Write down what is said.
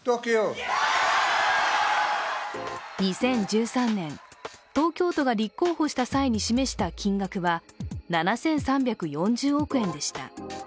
２０１３年、東京都が立候補した際に示した金額は７３４０億円でした。